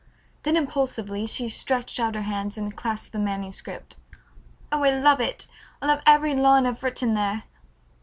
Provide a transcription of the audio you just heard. Then impulsively she stretched out her hands and clasped the manuscript. "Oh, I love it, I love every line I've written there."